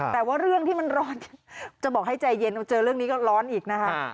แต่ว่าเรื่องที่มันร้อนจะบอกให้ใจเย็นเจอเรื่องนี้ก็ร้อนอีกนะคะ